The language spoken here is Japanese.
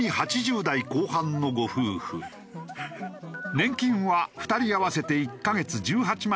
年金は２人合わせて１カ月１８万